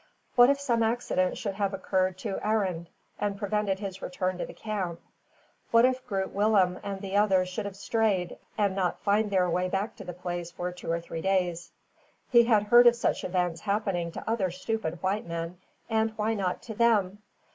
What if some accident should have occurred to Arend, and prevented his return to the camp? What if Groot Willem and the others should have strayed, and not find their way back to the place for two or three days? He had heard of such events happening to other stupid white men, and why not to them?